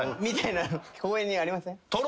公園にありません？